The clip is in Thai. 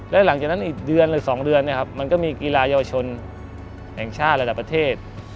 แล้วหลังจากนั้นอีกเดือนหรือ๒เดือนมันก็มีกีฬาเยาวชนแห่งชาติระดับประเทศ